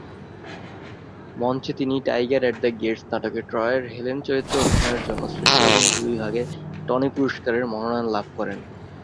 মঞ্চে তিনি "Tiger at the Gates" নাটকে ট্রয়ের হেলেন চরিত্রে অভিনয়ের জন্য শ্রেষ্ঠ অভিনেত্রী বিভাগে টনি পুরস্কারের মনোনয়ন লাভ করেন।